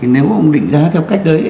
nếu không định giá theo cách đấy